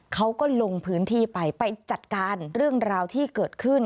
เขาก็ลงพื้นที่ไปไปจัดการเรื่องราวที่เกิดขึ้น